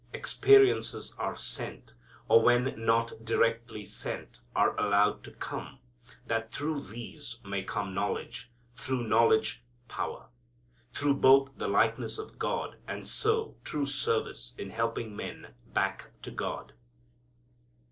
Experiences are sent, or when not directly sent are allowed to come, that through these may come knowledge, through knowledge power, through both the likeness of God, and so, true service in helping men back to God.